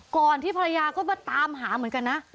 ก่อนที่ภรรยาก็มาตามหาเหมือนกันนะ